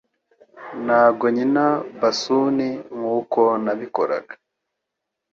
Ntabwo nkina bassoon nkuko nabikoraga